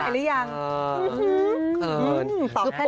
แล้วเปิดใจให้นายหรือยัง